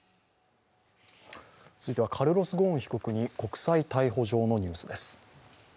続いては、カルロス・ゴーン被告に国際逮捕状のニュースです。